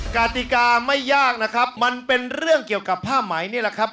กติกาไม่ยากนะครับมันเป็นเรื่องเกี่ยวกับผ้าไหมนี่แหละครับ